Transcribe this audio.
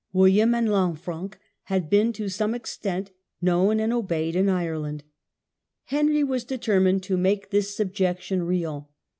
William and Lanfranc had been to some extent known and obeyed in Ireland. Henry was determined to make this sub 26 THE ENGLISH CONQUEST. jection real.